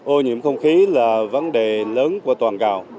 ô nhiễm không khí là vấn đề lớn của toàn cầu